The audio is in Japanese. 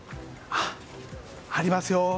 ありますよ。